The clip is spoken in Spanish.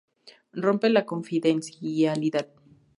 Rompe la confidencialidad.